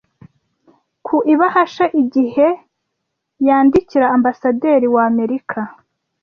ku ibahasha igihe yandikira ambasaderi w’Amerika